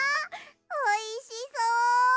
おいしそう！